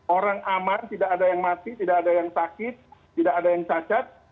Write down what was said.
orang aman tidak ada yang mati tidak ada yang sakit tidak ada yang cacat